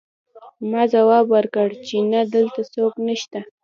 ما ځواب ورکړ چې نه دلته څوک نشته